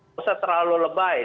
jangan terlalu lebay